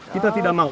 kita tidak mau